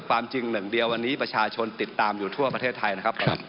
ความจริงหนึ่งเดียววันนี้ประชาชนติดตามอยู่ทั่วประเทศไทยนะครับ